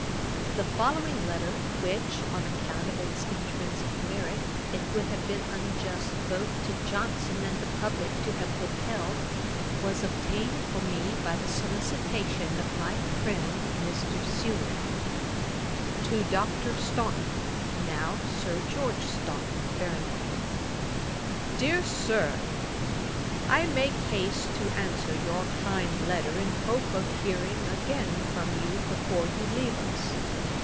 [Dagger] The following letter, which, on account of its intrinsick merit, it would have been unjust both to Johnson and the publick to have with held, was obtained for me by the solicitation of my friend Mr. Seward: 'To DR. STAUNTON, (NOW SIR GEORGE STAUNTON, BARONET.) 'DEAR SIR, 'I make haste to answer your kind letter, in hope of hearing again from you before you leave us.